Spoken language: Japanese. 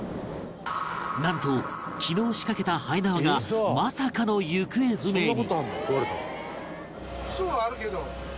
なんと昨日仕掛けた延縄がまさかの行方不明に